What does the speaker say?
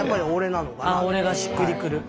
「おれ」がしっくりくる。